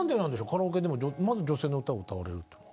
カラオケでもまず女性の歌を歌われるというのは。